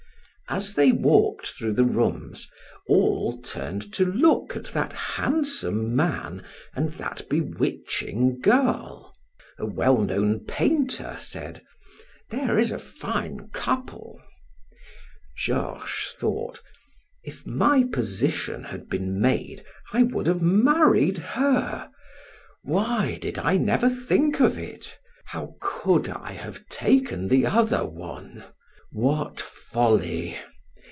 As they walked through the rooms, all turned to look at that handsome man and that bewitching girl. A well known painter said: "There is a fine couple." Georges thought: "If my position had been made, I would have married her. Why did I never think of it? How could I have taken the other one? What folly!